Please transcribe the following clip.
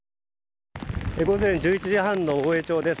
午前１１時半の大江町です。